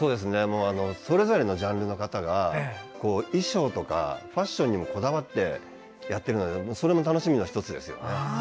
それぞれのジャンルの方が衣装とかファッションにもこだわってやってるのでそれも楽しみの１つですよね。